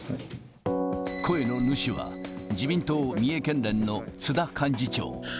声の主は、自民党三重県連の津田幹事長。